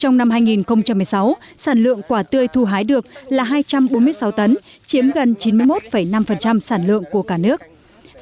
trong năm hai nghìn một mươi sáu sản lượng quả tươi thu hái được là hai trăm bốn mươi sáu tấn chiếm gần chín mươi một năm sản lượng của cả nước